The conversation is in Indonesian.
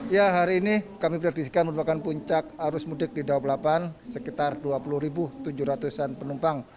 ya hari ini kami predisikan merupakan puncak arus mudik di dua puluh delapan sekitar dua puluh tujuh ratus an penumpang